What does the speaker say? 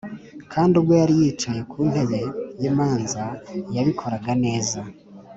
Kandi ubwo yari yicaye ku ntebe y imanza yabikoraga neza